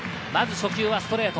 初球はストレート。